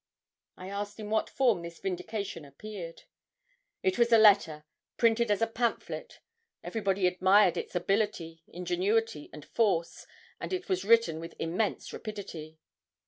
I asked in what form this vindication appeared. 'It was a letter, printed as a pamphlet; everybody admired its ability, ingenuity, and force, and it was written with immense rapidity.'